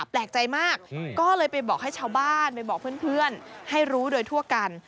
แปลกใจมากก็เลยไปบอกให้ชาวบ้านไปบอกเพื่อนให้รู้โดยทั่วกัน